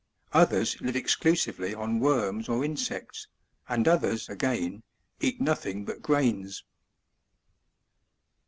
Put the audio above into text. Others live exclusively €Q worms or insects, and others again, eat nothing but grains.